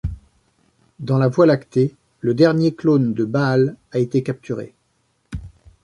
Dans la Voie lactée, le dernier clone de Ba'al a été capturé.